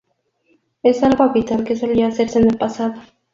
Es algo habitual que solía hacerse en el pasado.